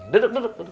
duduk duduk duduk